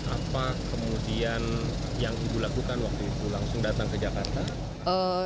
apa kemudian yang ibu lakukan waktu itu langsung datang ke jakarta